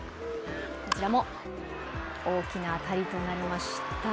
こちらも大きな当たりとなりました。